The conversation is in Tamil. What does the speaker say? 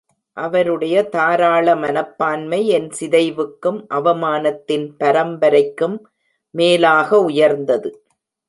அவருடைய தாராள மனப்பான்மை என் சிதைவுக்கும் அவமானத்தின் பரம்பரைக்கும் மேலாக உயர்ந்தது.